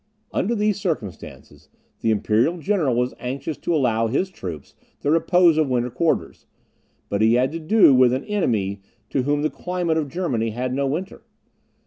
Under these circumstances, the imperial general was anxious to allow his troops the repose of winter quarters, but he had to do with an enemy to whom the climate of Germany had no winter.